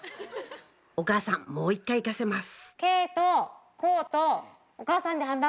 お母さんもう１回行かせます